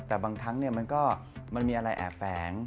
แต่บางครั้งเนี่ยมันก็มีอะไรแอบแฝง